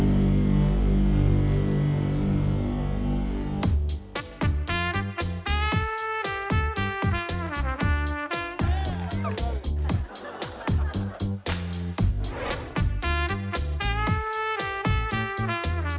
เตรียมใจให้ดีแล้วไปฟังกันค่ะ